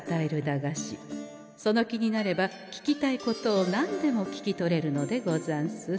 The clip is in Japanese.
その気になれば聞きたいことを何でも聞き取れるのでござんす。